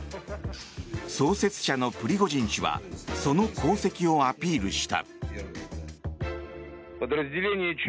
創設者のプリゴジン氏はその功績をアピールした。